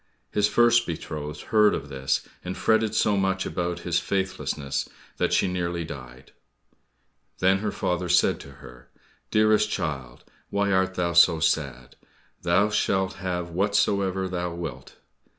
His first betrothed heard of this, and fretted so much about his faithlessness that she nearly died. Then her father said to her, "Dearest child, why art thou so sad? Thou shalt have whatsoever thou wilt."